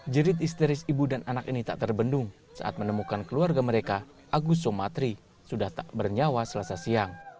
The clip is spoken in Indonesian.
jerit histeris ibu dan anak ini tak terbendung saat menemukan keluarga mereka agus somatri sudah tak bernyawa selasa siang